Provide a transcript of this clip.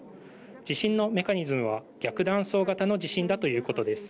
地震のメカニズムは逆断層型の地震だということです。